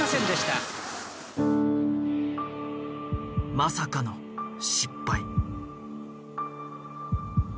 まさかの失敗。